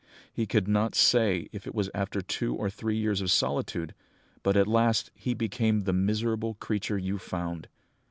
"He could not say if it was after two or three years of solitude; but at last he became the miserable creature you found!